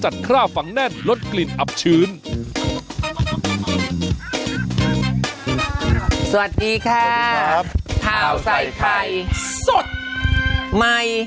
เท่าใส่ไพสดใหม่